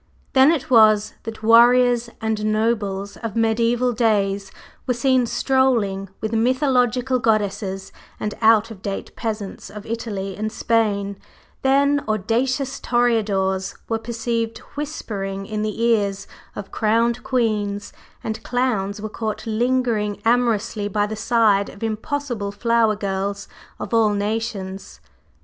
Then it was that warriors and nobles of mediæval days were seen strolling with mythological goddesses and out of date peasants of Italy and Spain; then audacious "toreadors" were perceived whispering in the ears of crowned queens, and clowns were caught lingering amorously by the side of impossible flower girls of all nations.